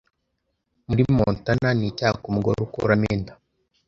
Muri Montana ni icyaha kumugore akuramo inda